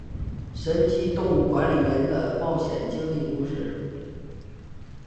神奇动物管理员的冒险经历故事。